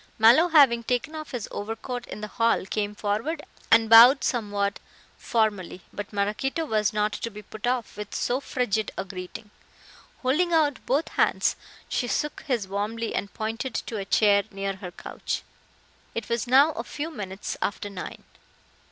Mallow, having taken off his overcoat in the hall, came forward and bowed somewhat formally, but Maraquito was not to be put off with so frigid a greeting. Holding out both hands, she shook his warmly and pointed to a chair near her couch. It was now a few minutes after nine.